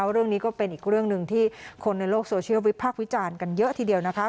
เรื่องนี้ก็เป็นอีกเรื่องหนึ่งที่คนในโลกโซเชียลวิพากษ์วิจารณ์กันเยอะทีเดียวนะคะ